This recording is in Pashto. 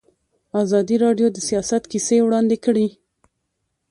ازادي راډیو د سیاست کیسې وړاندې کړي.